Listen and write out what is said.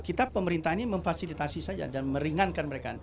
kita pemerintah ini memfasilitasi saja dan meringankan mereka